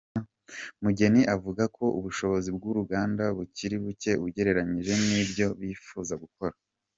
Mugeni avuga ko ubushobozi bw’uruganda bukiri buke ugereranyije n’ibyo bifuza gukora.